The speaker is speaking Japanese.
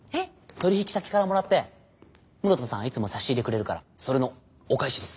取引先からもらって室田さんいつも差し入れくれるからそれのお返しです。